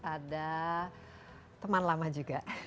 ada teman lama juga